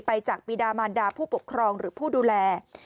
จากปีดามานดาผู้ปกครองหรือผู้ดูแล